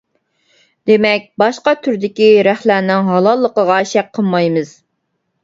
دېمەك باشقا تۈردىكى رەختلەرنىڭ ھالاللىقىغا شەك قىلمايمىز.